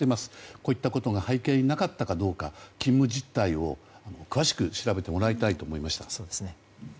こういったことが背景になかったかどうか勤務実態を詳しく調べてもらいたいと思いました。